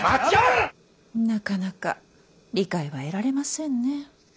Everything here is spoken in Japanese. なかなか理解は得られませんね。